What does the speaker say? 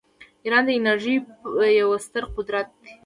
ایران د انرژۍ یو ستر قدرت دی.